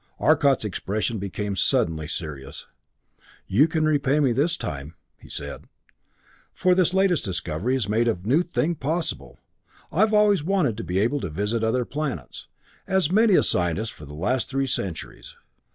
Arcot's expression became suddenly serious. "You can repay me this time," he said, "for this latest discovery has made a new thing possible. I've always wanted to be able to visit other planets as has many a scientist for the last three centuries.